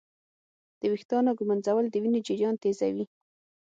د ویښتانو ږمنځول د وینې جریان تېزوي.